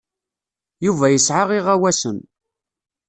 Yuba yesɛa iɣawasen.